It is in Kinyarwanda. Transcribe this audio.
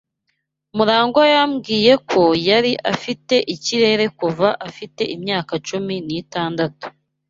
MuragwA yambwiye ko yari afite ikirere kuva afite imyaka cumi n'itandatu.